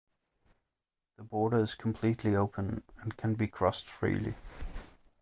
The border is completely open and can be crossed freely.